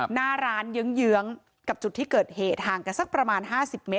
หน้าร้านเยื้องกับจุดที่เกิดเหตุห่างกันสักประมาณ๕๐เมตร